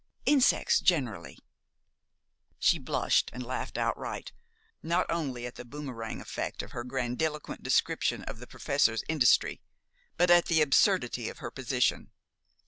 "Insects generally." She blushed and laughed outright, not only at the boomerang effect of her grandiloquent description of the professor's industry, but at the absurdity of her position.